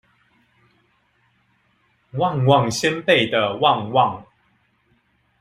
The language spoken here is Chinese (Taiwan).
旺旺仙貝的旺旺